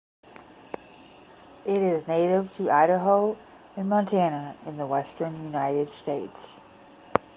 It is native to Idaho and Montana in the western United States.